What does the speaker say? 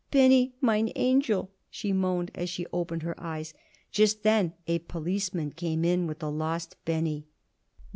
"Benny, mine angel!" she moaned as she opened her eyes. Just then a policeman came in with the lost Benny.